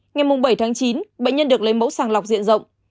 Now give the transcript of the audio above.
ngày mùng bảy tháng chín bệnh nhân được lấy mẫu sàng lọc diện rộng